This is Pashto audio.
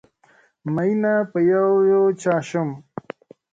ميېنه په یو چا شم